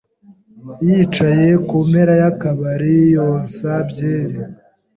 yicaye ku mpera y’akabari, yonsa byeri.